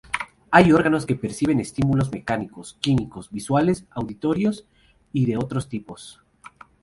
Hay órganos que perciben estímulos mecánicos, químicos, visuales, auditorios y de otros tipos.